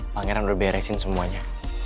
pangeran udah beresin semuanya